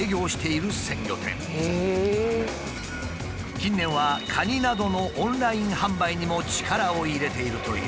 近年はカニなどのオンライン販売にも力を入れているという。